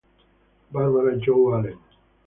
Barbara Jo Allen